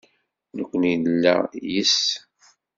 Nekkni nella yes-s.